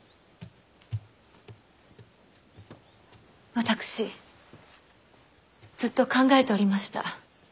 私ずっと考えておりました。